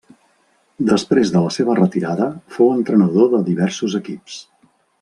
Després de la seva retirada fou entrenador de diversos equips.